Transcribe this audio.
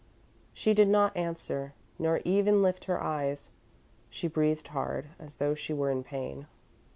She did not answer, nor even lift her eyes. She breathed hard, as though she were in pain.